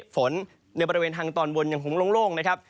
ฝนในบริเวณทางตอนบนยังคงโล่งนะครับ